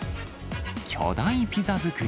巨大ピザ作り。